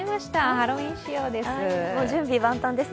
ハロウィーン仕様です。